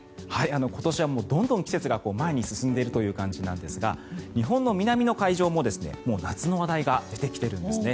今年はどんどん季節が前に進んでいるという感じなんですが日本の南の海上も夏の話題が出てきているんですね。